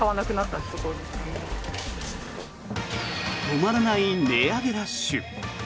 止まらない値上げラッシュ。